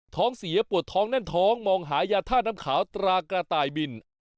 ท้องเสียปวดท้องแน่นท้องมองหายาท่าน้ำขาวตรากระต่ายบิน